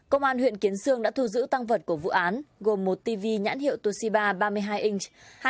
công an huyện kiến sương đã thu giữ tăng vật của vụ án gồm một tv nhãn hiệu toshiba ba mươi hai inch